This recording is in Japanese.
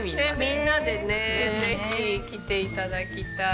みんなでねぜひ来て頂きたい。